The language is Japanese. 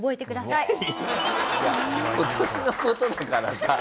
いや今年の事だからさ。